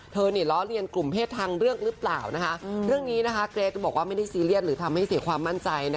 เนี่ยล้อเลียนกลุ่มเพศทางเลือกหรือเปล่านะคะเรื่องนี้นะคะเกรทบอกว่าไม่ได้ซีเรียสหรือทำให้เสียความมั่นใจนะ